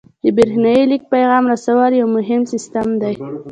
د بریښنایي لیک پیغام رسولو یو مهم سیستم دی.